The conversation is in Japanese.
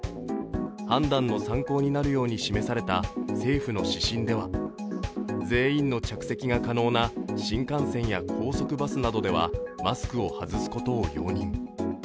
判断の参考になるように示された政府の指針では、全員の着席が可能な新幹線や高速バスなどではマスクを外すことを容認。